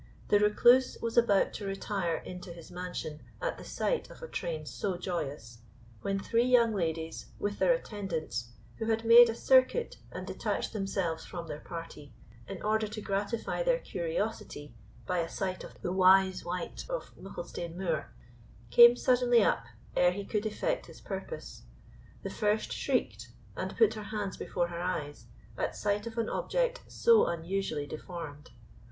The Recluse was about to retire into his mansion at the sight of a train so joyous, when three young ladies, with their attendants, who had made a circuit, and detached themselves from their party, in order to gratify their curiosity by a sight of the Wise Wight of Mucklestane Moor, came suddenly up, ere he could effect his purpose. The first shrieked, and put her hands before her eyes, at sight of an object so unusually deformed.